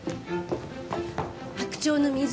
『白鳥の湖』